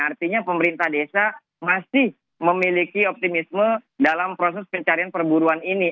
artinya pemerintah desa masih memiliki optimisme dalam proses pencarian perburuan ini